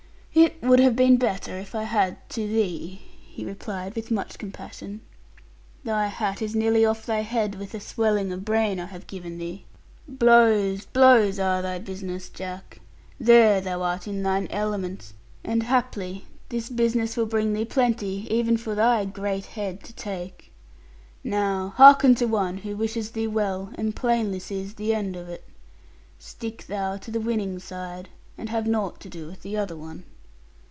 'It would have been better, if I had, to thee,' he replied with much compassion; 'thy hat is nearly off thy head with the swelling of brain I have given thee. Blows, blows, are thy business, Jack. There thou art in thine element. And, haply, this business will bring thee plenty even for thy great head to take. Now hearken to one who wishes thee well, and plainly sees the end of it stick thou to the winning side, and have naught to do with the other one.'